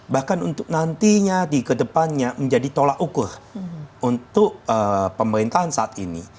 bahkan untuk nantinya di kedepannya menjadi tolak ukur untuk pemerintahan saat ini